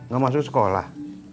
gak masuk sekolah